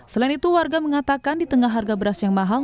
selain itu warga mengatakan di tengah harga beras yang mahal